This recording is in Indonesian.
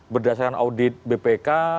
berdasarkan audit bpk